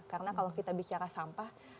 karena kalau kita bicara sampah